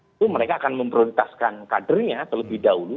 itu mereka akan memprioritaskan kadernya terlebih dahulu